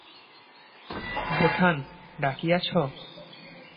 বোঠান, ডাকিয়াছ?